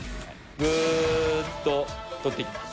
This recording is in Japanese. ぐーっととっていきます。